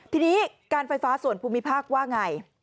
ทีนี้การไฟฟ้าส่วนภูมิภาคว่าไง